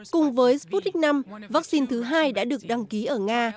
cùng với sputnik v vaccine thứ hai đã được đăng ký ở nga